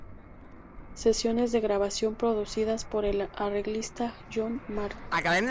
Sesiones de grabación producidas por el arreglista Jon Mark.